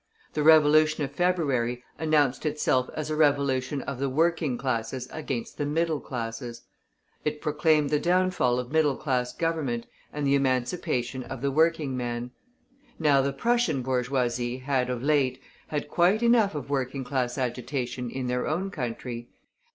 The Revolution of February announced itself as a revolution of the working classes against the middle classes; it proclaimed the downfall of middle class government and the emancipation of the workingman. Now the Prussian bourgeoisie had, of late, had quite enough of working class agitation in their own country.